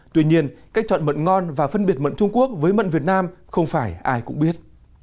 tuy nhiên cách chọn mận ngon và phân biệt mận trung quốc với mận việt nam không phải ai cũng biết